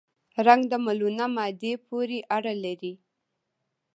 رنګ د ملونه مادې پورې اړه لري.